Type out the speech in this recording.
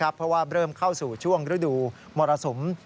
เพราะว่าเริ่มเข้าสู่ช่วงฤดูมรสุม